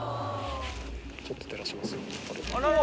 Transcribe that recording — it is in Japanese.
ちょっと照らしますよ。